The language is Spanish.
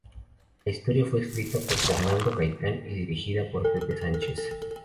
La historia fue escrita por Fernando Gaitán y dirigida por Pepe Sánchez.